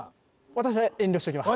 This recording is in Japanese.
私は遠慮しておきます。